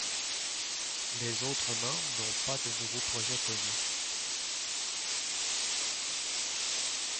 Les autres membres n'ont pas de nouveaux projets connus.